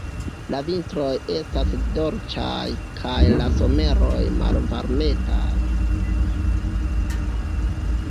La vintroj estas dolĉaj kaj la someroj malvarmetaj.